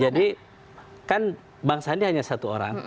jadi kan bang sandi hanya satu orang